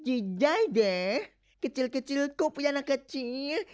ini sih kecil kecil kau punya anak kecil